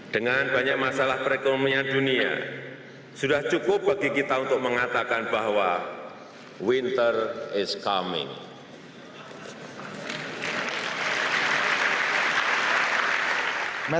dengan banyak masalah perekonomian dunia sudah cukup bagi kita untuk mengatakan bahwa winter is coming